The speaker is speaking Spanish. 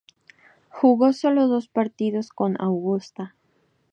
Jugó sólo dos partidos con Augusta.